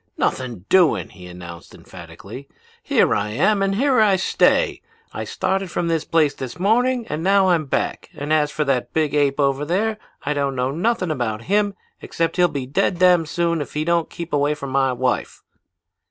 "'Nothing doing!' he announced emphatically. 'Here I am and here I stay. I started from this place this morning and now I'm back, and as for that big ape over there I don't know nothing about him except he'll be dead damn soon if he don't keep away from my wife.'